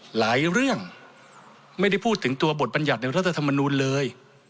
หลายเรื่องไม่ได้พูดถึงตัวบทบัญญัติในรัฐธรรมนูลเลย